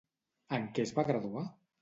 En què es va graduar?